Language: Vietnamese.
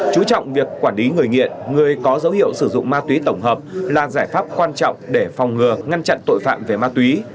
chú trọng việc quản lý người nghiện người có dấu hiệu sử dụng ma túy tổng hợp là giải pháp quan trọng để phòng ngừa ngăn chặn tội phạm về ma túy